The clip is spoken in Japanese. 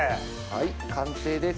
はい完成です。